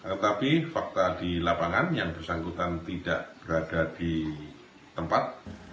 tetapi fakta di lapangan yang bersangkutan tidak berada di tempat